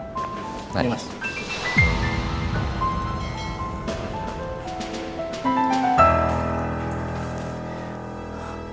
terima kasih mas